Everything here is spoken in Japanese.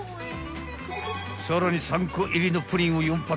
［さらに３個入りのプリンを４パック］